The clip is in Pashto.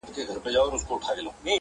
خبرېږم زه راته ښېراوي كوې.